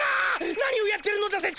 何をやってるのだ拙者は！